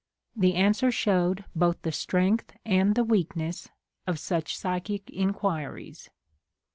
The answer showed both the strength and the weakness of such psychic inquiries.